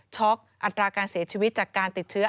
อัตราการเสียชีวิตจากการติดเชื้อ